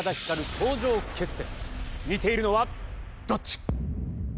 頂上決戦似ているのはどっち？